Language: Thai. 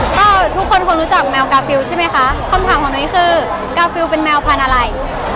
ก็ทุกคนคงรู้จักแมวกาฟิลใช่ไหมคะคำถามของนุ้ยคือกาฟิลเป็นแมวพันธุ์อะไร